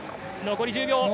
残り１０秒。